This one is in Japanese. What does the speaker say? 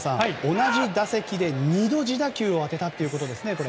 同じ打席で２度自打球を当てたということですね。